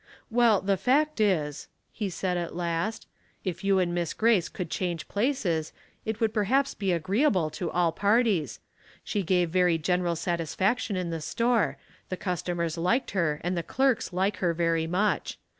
"Well, the fact is," he said at last, "if you and Miss Grace could change places, it would perhaps be agreeable to all parties. She gave very general satisfaction in the store, the cus tomers liked her and the clerks like her very much.